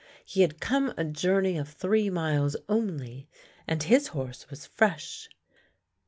He had come a journey of three miles only, and his horse was fresh.